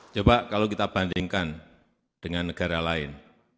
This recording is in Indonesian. coba kalau kita bandingkan dengan negara lain